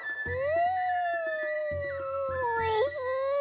んおいしい！